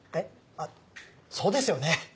あっそうですよね。